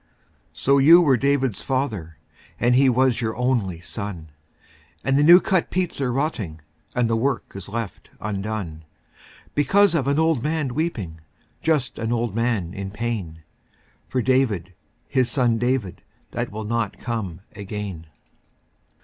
lO you were David's father, And he was your only son, And the new cut peats are rotting And the work is left undone. Because of an old man weeping, Just an old man in pain. For David, his son David, That will not come again.